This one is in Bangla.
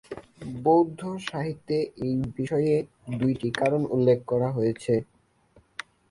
বৌদ্ধ সাহিত্যে এই বিষয়ে দুইটি কারণের উল্লেখ রয়েছে।